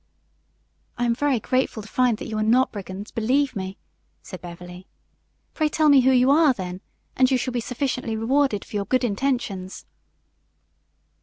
"I am very grateful to find that you are not brigands, believe me," said Beverly. "Pray tell me who you are, then, and you shall be sufficiently rewarded for your good intentions."